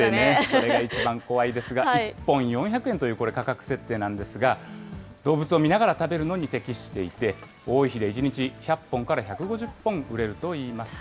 それが一番怖いですが、１本４００円という価格設定なんですが、動物を見ながら食べるのに適していて、多い日で１日１００本から１５０本売れるといいます。